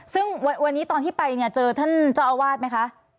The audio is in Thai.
ซึ่งวันนี้ตอนที่ไปเนี่ยเจอท่านเจ้าอาวาสไหมคะ